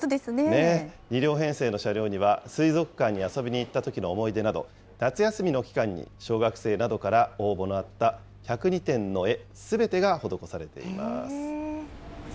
２両編成の車両には水族館に遊びに行ったときの思い出など、夏休みの期間に小学生などから応募のあった１０２点の絵すべてが施されています。